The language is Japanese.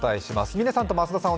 嶺さんと増田さん